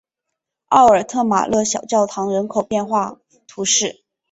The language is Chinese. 奥尔特马勒小教堂人口变化图示